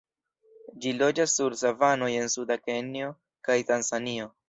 Ĝi loĝas sur savanoj en suda Kenjo kaj Tanzanio.